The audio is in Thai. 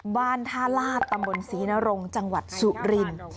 บ้านท่าลาศตำบลศรีนรงจังหวัดสุรินทร์